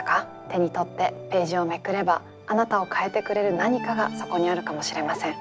手に取ってページをめくればあなたを変えてくれる何かがそこにあるかもしれません。